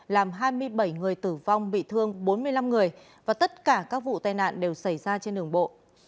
làm hai mươi bảy người tử vong bị thương bốn mươi năm người và tất cả các vụ tai nạn đều xảy ra trên đường bộ